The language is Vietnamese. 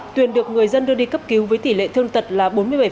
tuyền được người dân đưa đi cấp cứu với tỷ lệ thương tật là bốn mươi bảy